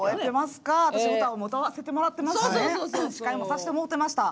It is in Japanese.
歌も歌わせてもらってますし司会もさせてもろてました。